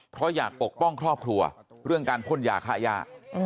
เพราะอยากปกป้องครอบครัวเรื่องการพ่นยาฆ่าย่า